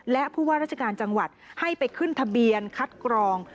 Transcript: และผู้ว่าราชการจังหวัดให้ไปขึ้นทะเบียนคัดกรอง